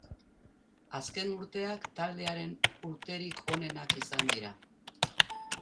Azken urteak taldearen urterik onenak izan dira.